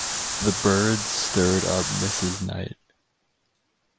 The birds stirred up Mrs. Knight.